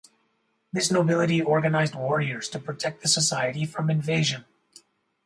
This nobility organized warriors to protect the society from invasion.